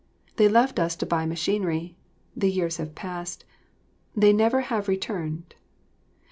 They left us to buy machinery; the years have passed; they never have returned.